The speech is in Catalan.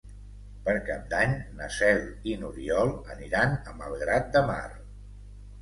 Per Cap d'Any na Cel i n'Oriol aniran a Malgrat de Mar.